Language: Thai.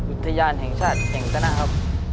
อุทยานแห่งชาติแห่งคณะครับ